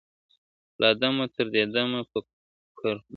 له آدمه تر دې دمه په قرنونو ..